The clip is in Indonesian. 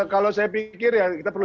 kalau saya pikir ya kita perlu